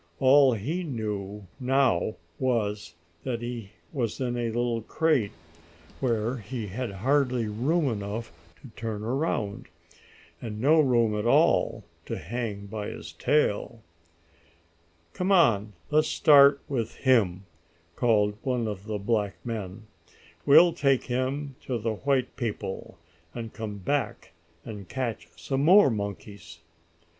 All he knew now was that he was in a little crate, where he had hardly room enough to turn around, and no room at all to hang by his tail. "Come on let's start with him!" called one of the black men. "We'll take him to the white people, and come back and catch some more monkeys."